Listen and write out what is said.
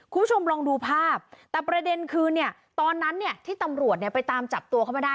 คุณผู้ชมลองดูภาพแต่ประเด็นคือเนี่ยตอนนั้นเนี่ยที่ตำรวจเนี่ยไปตามจับตัวเขาไม่ได้